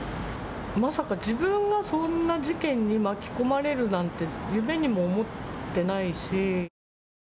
まさか自分がそんな事件に巻き込まれるなんて夢にも思ってないし。